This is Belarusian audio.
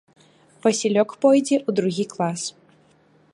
Васілёк пойдзе ў другі клас.